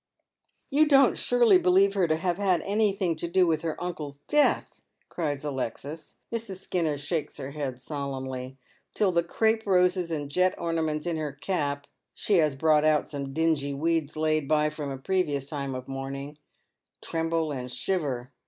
" You don't surely believe her to have had anji; hing to do with her uncle's death ?" cries Alexis. Mrs. Skinner shakes her head solemnly, till the crape roses and jet ornaments in her cap — she has brought out some dingj' weeds laid by from a previous time of mourning — tremble and shiver.